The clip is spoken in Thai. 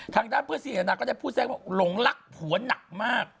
ทางด้านเพื่อนสนิทจนก็ได้พูดแซงว่าหลงรักหัวหนักมาก